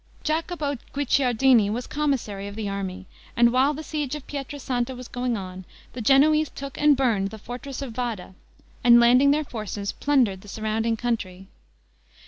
Jacopo Guicciardini was commissary of the army; and while the siege of Pietra Santa was going on, the Genoese took and burned the fortress of Vada, and, landing their forces, plundered the surrounding country.